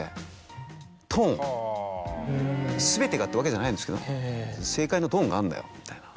全てがってわけじゃないんですけど「正解のトーンがあるんだよ」みたいな。